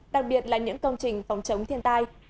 đặc biệt là những công trình phòng chống thiên tai